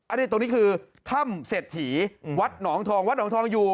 อันนี้ตรงนี้คือถ้ำเศรษฐีวัดหนองทองวัดหนองทองอยู่